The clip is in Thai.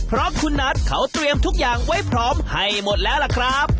เพราะคุณนัทเขาเตรียมทุกอย่างไว้พร้อมให้หมดแล้วล่ะครับ